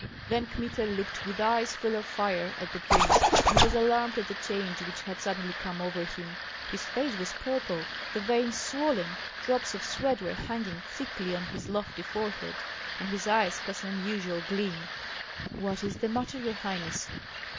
Then Kmita looked with eyes full of fire at the prince, and was alarmed at the change which had suddenly come over him. His face was purple, the veins swollen, drops of sweat were hanging thickly on his lofty forehead, and his eyes cast an unusual gleam. "What is the matter, your highness?"